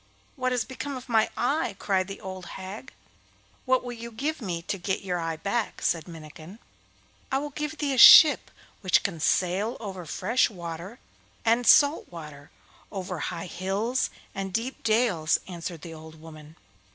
what has become of my eye?' cried the old hag. 'What will you give me to get your eye back?' said Minnikin. 'I will give thee a ship which can sail over fresh water and salt water, over high hills and deep dales,' answered the old woman.